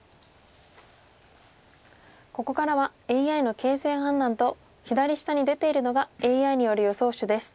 ここからはＡＩの形勢判断と左下に出ているのがＡＩによる予想手です。